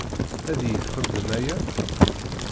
Ad iyi-txedmem aya?